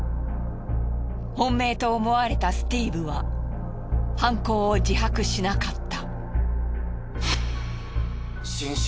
本命と思われたスティーブは犯行を自白しなかった。